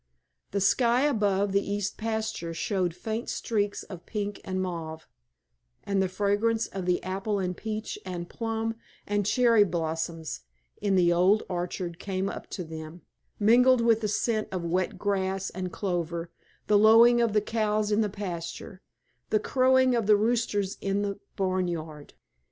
The sky above the east pasture showed faint streaks of pink and mauve, and the fragrance of the apple and peach and plum and cherry blossoms in the old orchard came up to them, mingled with the scent of wet grass and clover, the lowing of the cows in the pasture, the crowing of the roosters in the barnyard.